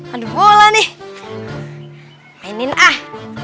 aduh bola nih mainin ah